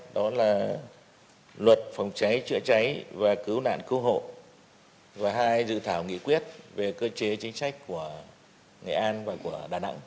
đó là luật phòng cháy chữa cháy và cứu nạn cứu hộ và hai dự thảo nghị quyết về cơ chế chính sách của nghệ an và của đà nẵng